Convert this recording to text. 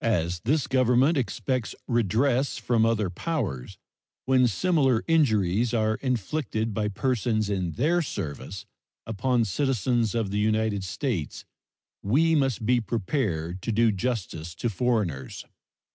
As this Government expects redress from other powers when similar injuries are inflicted by persons in their service upon citizens of the United States, we must be prepared to do justice to foreigners.